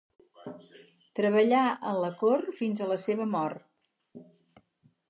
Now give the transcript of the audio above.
Treballà en la cort fins a la seva mort.